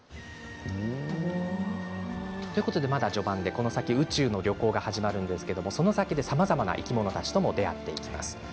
この先宇宙への旅行が始まるんですがその先でさまざまな生き物たちと出会っていきます。